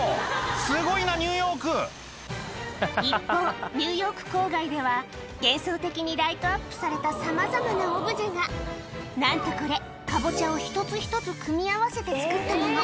すごいなニューヨーク一方ニューヨーク郊外では幻想的にライトアップされたさまざまなオブジェがなんとこれかぼちゃを一つ一つ組み合わせて作ったもの